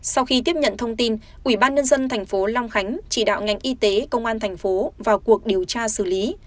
sau khi tiếp nhận thông tin ubnd tp long khánh chỉ đạo ngành y tế công an thành phố vào cuộc điều tra xử lý